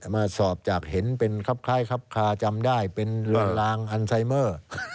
มาสอบจากเห็นเป็นครับคล้ายครับคาจำได้เป็นลวนลางอันไซเมอร์